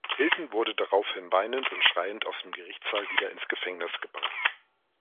Hilton wurde daraufhin weinend und schreiend aus dem Gerichtssaal wieder ins Gefängnis gebracht.